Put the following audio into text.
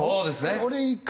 俺１回